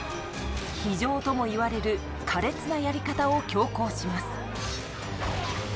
非情ともいわれる苛烈なやり方を強行します。